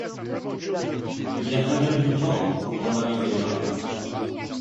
Il a fallu du temps pour en arriver là.